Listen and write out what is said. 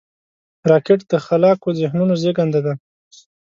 راکټ د خلاقو ذهنونو زیږنده ده